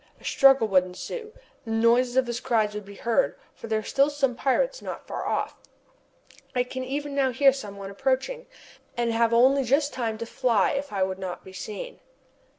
A struggle would ensue. The noise and his cries would be heard, for there are still some pirates not far off, I can even now hear some one approaching, and have only just time to fly if I would not be seen.